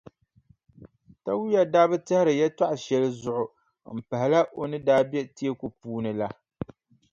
Tawia daa bi tɛhiri yɛltɔɣʼ shɛli zuɣu m-pahila o ni daa be teeku puuni la.